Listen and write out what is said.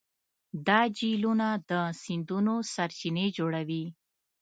دا جهیلونه د سیندونو سرچینې جوړوي.